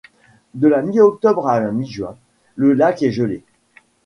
De la mi-octobre à la mi-juin le lac est gelé.